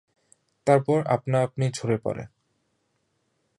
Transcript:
তারপর আপনা আপনি ঝরে পড়ে।